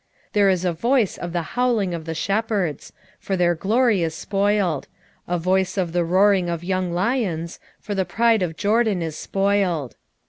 11:3 There is a voice of the howling of the shepherds; for their glory is spoiled: a voice of the roaring of young lions; for the pride of Jordan is spoiled.